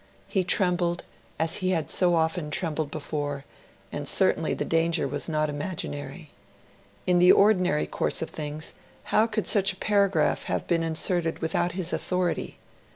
He trembled, as he had so often trembled before; and certainly the danger was not imaginary. In the ordinary course of things, how could such a paragraph have been inserted without his authority?